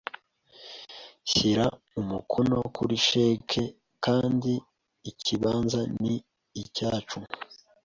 Shyira umukono kuri cheque kandi ikibanza ni icyacu